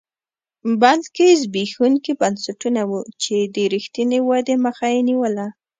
بلکې زبېښونکي بنسټونه وو چې د رښتینې ودې مخه یې نیوله